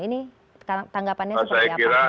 ini tanggapannya seperti apa